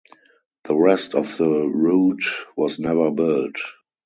The rest of the route was never built.